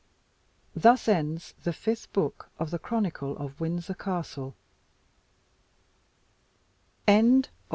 THUS ENDS THE FIFTH BOOK OF THE CHRONICLE OF WINDSOR CASTLE BOOK VI.